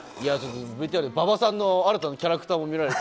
ＶＴＲ、馬場さんの新たなキャラクターも見られて。